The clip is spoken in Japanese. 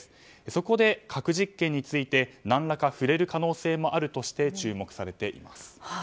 そこで核実験について何らか触れる可能性もあるとして注目されています。